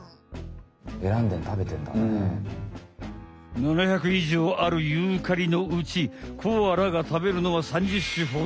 ７００以上あるユーカリのうちコアラがたべるのは３０種ほど。